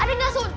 ada nggak sun